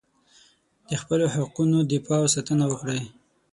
د خپلو حقونو دفاع او ساتنه وکړئ.